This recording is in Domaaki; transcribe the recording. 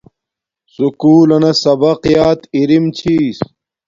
سکُول لنا سبق یات ارم چھس